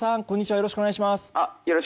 よろしくお願いします。